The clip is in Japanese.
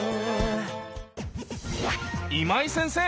今井先生！